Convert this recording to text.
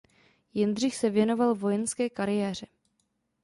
Jindřich se věnoval vojenské kariéře.